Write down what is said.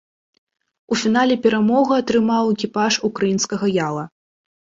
У фінале перамогу атрымаў экіпаж украінскага яла.